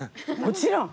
もちろん。